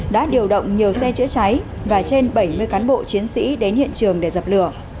đã điều động nhiều xe chữa cháy và trên bảy mươi cán bộ chiến sĩ đến hiện trường để dập lửa